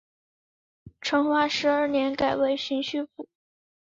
成化十二年改为寻甸府。